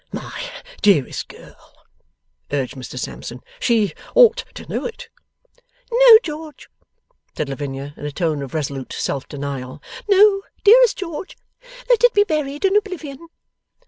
'My dearest girl,' urged Mr Sampson, 'she ought to know it.' 'No, George,' said Lavinia, in a tone of resolute self denial. 'No, dearest George, let it be buried in oblivion.